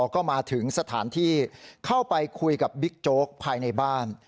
ก็มาถึงสถานที่เข้าไปคุยกับบิ๊กโจ๊กภายในบ้าน